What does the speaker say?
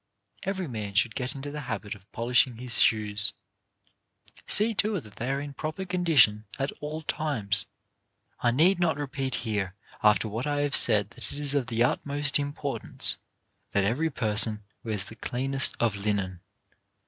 Every man should get into the habit of polishing his shoes. See to it that they are in proper condition at all times. I need not repeat here, after what I have said, that it is of the utmost importance that every person wear the cleanest of linen.